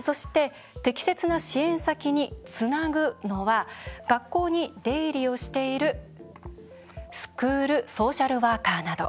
そして適切な支援先につなぐのは学校に出入りをしているスクールソーシャルワーカーなど。